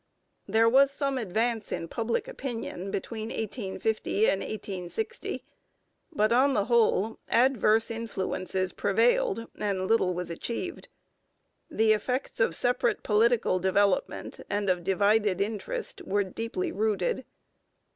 There was some advance in public opinion between 1850 and 1860, but, on the whole, adverse influences prevailed and little was achieved. The effects of separate political development and of divided interest were deeply rooted.